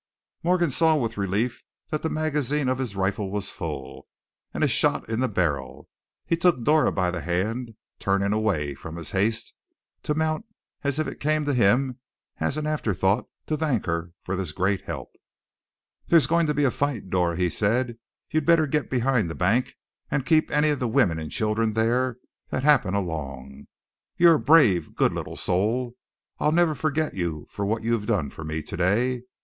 Morgan saw with relief that the magazine of his rifle was full, and a shot in the barrel. He took Dora by the hand, turning away from his haste to mount as if it came to him as an after thought to thank her for this great help. "There's going to be a fight, Dora," he said. "You'd better get behind the bank, and keep any of the women and children there that happen along. You're a brave, good little soul, I'll never forget you for what you've done for me today.